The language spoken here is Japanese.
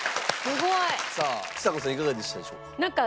すごい。さあちさ子さんいかがでしたでしょうか？